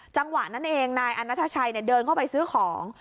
จังหวะนั้นเองนายอันนัทชัยเดินเข้าไปซื้อของ